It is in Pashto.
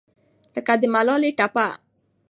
لکه د ملالې ټپه